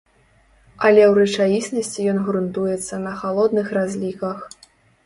Але ў рэчаіснасці ён грунтуецца на халодных разліках.